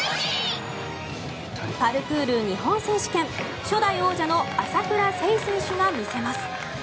パルクール日本選手権初代王者の朝倉聖選手が見せます。